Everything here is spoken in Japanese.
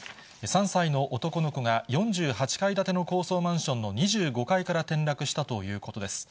３歳の男の子が４８階建ての高層マンションの２５階から転落したということです。